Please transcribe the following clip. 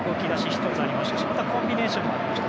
１つありましたしコンビネーションもありました。